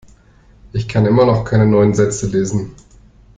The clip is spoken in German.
Ich kann immer noch keine neuen Sätze lesen.